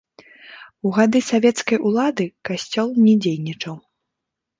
У гады савецкай улады, касцёл не дзейнічаў.